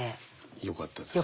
よかったですね。